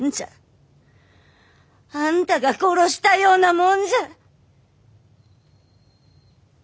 あんたが殺したようなもんじゃ！